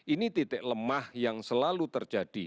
ini titik lemah yang selalu terjadi